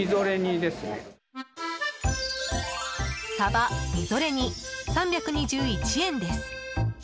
さばみぞれ煮３２１円です。